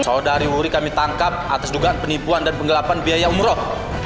saudari wuri kami tangkap atas dugaan penipuan dan penggelapan biaya umroh